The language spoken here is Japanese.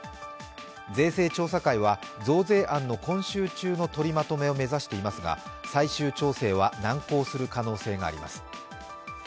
税制調査会は、増税案の今週中の取りまとめを目指していますが最終調整は難航する可能性があります。